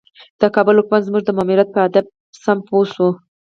د کابل حکومت زموږ د ماموریت په هدف سم پوه شي.